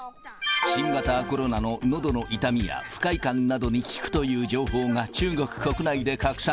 新型コロナののどの痛みや、不快感などに効くという情報が、中国国内で拡散。